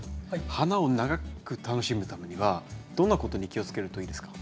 花を長く楽しむためにはどんなことに気をつけるといいですか？